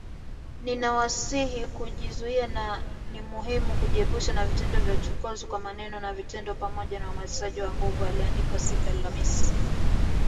“Ninawasihi kujizuia na ni muhimu kujiepusha na vitendo vya uchokozi, kwa maneno na vitendo, pamoja na uhamasishaji wa nguvu” aliandika siku ya Alhamisi.